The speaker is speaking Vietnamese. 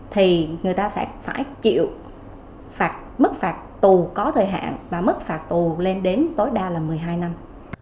thì người ta sẽ phải chịu mức phạt tù có thời hạn và mức phạt tù lên đến tối đa là một mươi hai năm